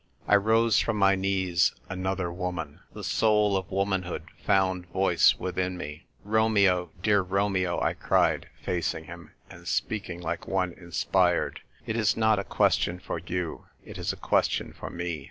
I rose from my knees another woman. The soul of womanhood found voice within me. " Romeo, dear Romeo," I cried, facing him, and speaking like one inspired, "it is not a question for you; it is a question for me.